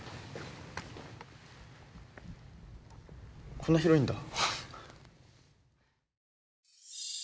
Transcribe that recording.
こんな広いんだ